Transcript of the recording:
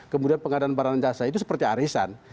kemudian pengadaan barang dan jasa itu seperti arisan